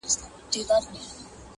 خو آواز یې لا خپل نه وو آزمېیلی؛